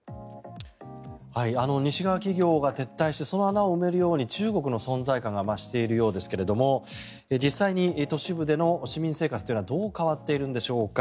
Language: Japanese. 西側企業が撤退してその穴を埋めるように中国の存在感が増しているようですが実際に都市部での市民生活というのはどう変わっているんでしょうか。